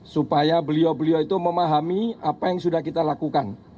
supaya beliau beliau itu memahami apa yang sudah kita lakukan